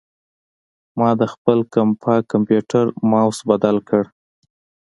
ما د خپل کمپاک کمپیوټر ماؤس بدل کړ.